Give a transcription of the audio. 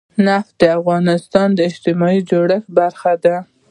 نفت د افغانستان د اجتماعي جوړښت برخه ده.